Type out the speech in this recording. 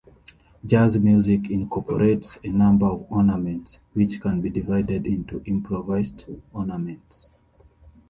Jazz music incorporates a number of ornaments, which can be divided into improvised ornaments.